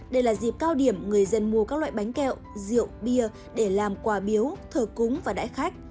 đây là dịp cao điểm người dân mua các loại bánh kẹo rượu bia để làm quà biếu thờ cúng và đại khách